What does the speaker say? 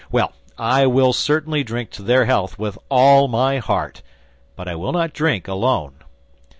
Well, I will certainly drink to their health with all my heart, but I will not drink alone."